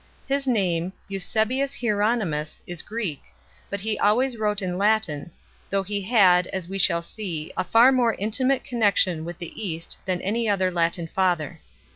His name, Eusebius Hieronymus, is Greek, but he always wrote in Latin, though he had, as we shall see, a far more intimate connexion with the East than any other Latin Father.